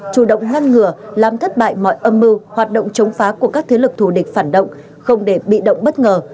chủ động ngăn ngừa làm thất bại mọi âm mưu hoạt động chống phá của các thế lực thù địch phản động không để bị động bất ngờ